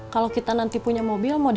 kalau kita nanti punya mobil